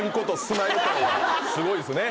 すごいですね。